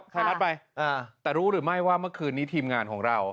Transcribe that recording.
ไทยรัฐไปแต่รู้หรือไม่ว่าเมื่อคืนนี้ทีมงานของเรา